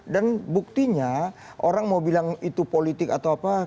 dan buktinya orang mau bilang itu politik atau apa